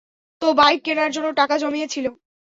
তো, বাইক কেনার জন্য টাকা জমিয়েছিলি?